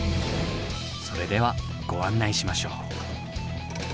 それではご案内しましょう。